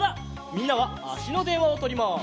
みんなはあしのでんわをとります。